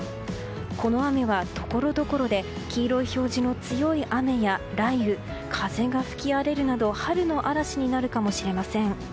この雨はところどころで黄色い表示の強い雨や雷雨、風が吹き荒れるなど春の嵐になるかもしれません。